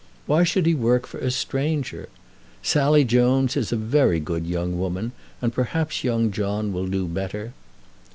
Why should he work for a stranger? Sally Jones is a very good young woman, and perhaps young John will do better."